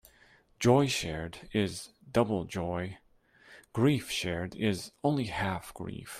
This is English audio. Joy shared is double joy; grief shared is only half grief.